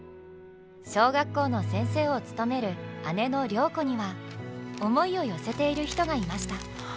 小学校の先生を務める姉の良子には思いを寄せている人がいました。